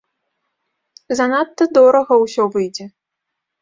Занадта дорага ўсё выйдзе.